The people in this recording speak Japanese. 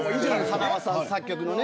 はなわさん作曲のね。